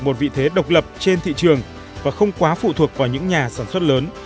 một vị thế độc lập trên thị trường và không quá phụ thuộc vào những nhà sản xuất lớn